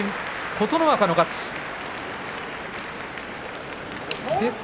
琴ノ若の勝ちです。